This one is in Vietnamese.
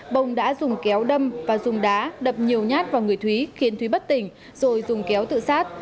bông đã dùng kéo đâm và dùng đá đập nhiều nhát vào người thúy khiến thúy bất tỉnh rồi dùng kéo tự sát